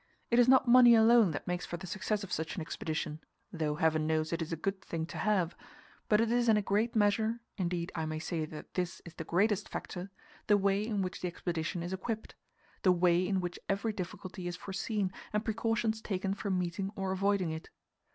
It is not money alone that makes for the success of such an expedition though, Heaven knows, it is a good thing to have but it is in a great measure indeed, I may say that this is the greatest factor the way in which the expedition is equipped the way in which every difficulty is foreseen, and precautions taken for meeting or avoiding it.